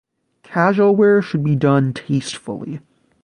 Casual wear should be done tastefully.